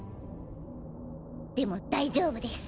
でも大丈夫です。